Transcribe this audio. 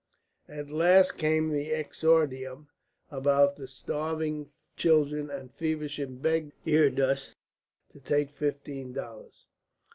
At last came the exordium about the starving children, and Feversham begged Idris to take fifteen dollars.